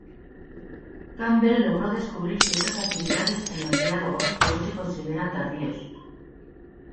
Campbell logró descubrir ciertas afinidades en los diálogos que hoy se consideran tardíos.